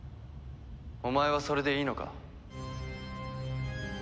お前はそれでいいのか？